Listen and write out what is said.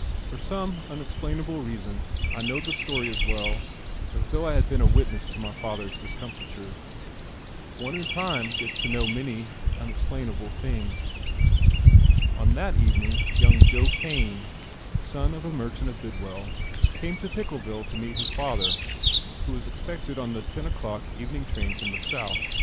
For some unexplainable reason I know the story as well as though I had been a witness to my father's discomfiture. One in time gets to know many unexplainable things. On that evening young Joe Kane, son of a merchant of Bidwell, came to Pickleville to meet his father, who was expected on the ten o'clock evening train from the South.